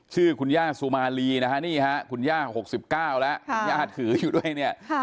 ชื่อคุณย่าสุมารีนะครับคุณย่า๖๙แล้วย่าถืออยู่ด้วยเนี่ย